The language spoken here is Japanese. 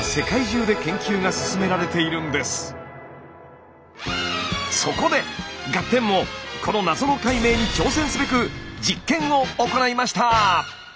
だからこそ今そこで「ガッテン！」もこの謎の解明に挑戦すべく実験を行いました。